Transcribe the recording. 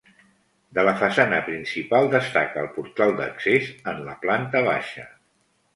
De la façana principal destaca el portal d'accés en la planta baixa.